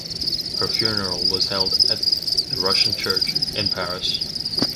Her funeral was held at the Russian Church in Paris.